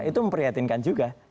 itu memprihatinkan juga